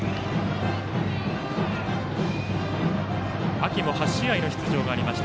秋も８試合の出場がありました